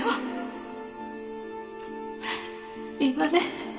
いいわね？